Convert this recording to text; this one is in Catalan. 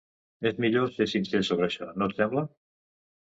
És millor ser sincer sobre això, no et sembla?